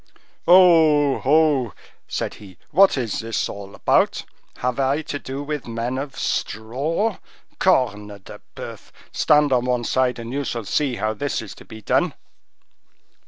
"Oh! oh!" said he, "what is this all about? Have I to do with men of straw? Corne de boeuf! stand on one side, and you shall see how this is to be done."